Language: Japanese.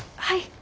はい。